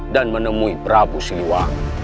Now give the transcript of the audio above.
dan menemui prabu siliwangi